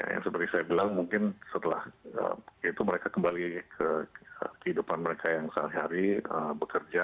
yang seperti saya bilang mungkin setelah itu mereka kembali ke kehidupan mereka yang sehari hari bekerja